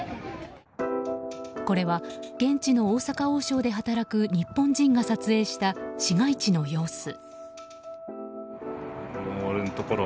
これは現地の大阪王将で働く日本人が撮影した市街地の様子。